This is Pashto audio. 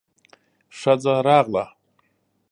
ښځه راغله.